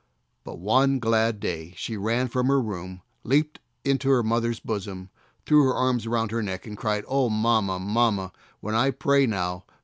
But one glad day she ran from her room, leaped into her mother's bosom, threw her arms around her neck and cried, "O mamma, mamma, when I pray now.